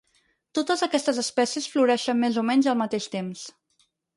Totes aquestes espècies floreixen més o menys al mateix temps.